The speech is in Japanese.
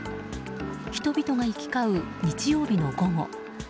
人々が行き交う日曜日の午後。